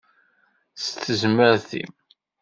S tezmert-im.